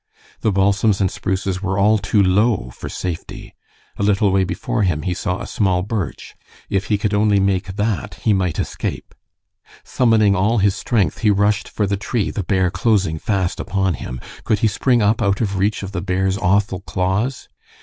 The balsams and spruces were all too low for safety. A little way before him he saw a small birch. If he could only make that he might escape. Summoning all his strength he rushed for the tree, the bear closing fast upon him. Could he spring up out of reach of the bear's awful claws?